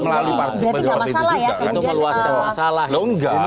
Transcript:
melalui partai itu juga